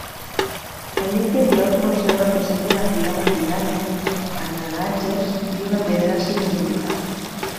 En l'interior conserva peces de l'antiga maquinària, engranatges i una pedra cilíndrica.